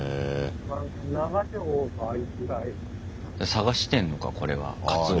探してんのかこれはカツオを。